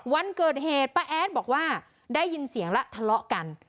วันเกิดเหตุป้าแอดบอกว่าได้ยินเสียงแล้วทะเลาะกัน